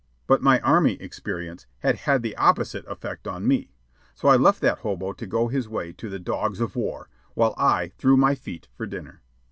But my army experience had had the opposite effect on me; so I left that hobo to go his way to the dogs of war, while I "threw my feet" for dinner.